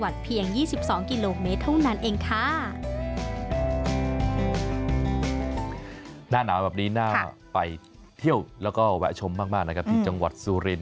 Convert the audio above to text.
เที่ยวและแวะชมมากของจังหวัดสูริน